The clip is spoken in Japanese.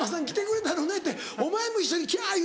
お前も一緒にきゃ！